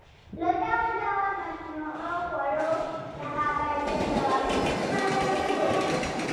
له ډول ډول متنوعو خوړو څخه باید ګټه واخیستل شي په پښتو کې.